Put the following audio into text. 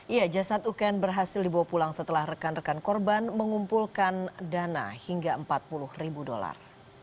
iya jasad uken berhasil dibawa pulang setelah rekan rekan korban mengumpulkan dana hingga empat puluh ribu dolar